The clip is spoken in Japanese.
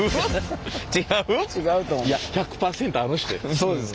そうですか？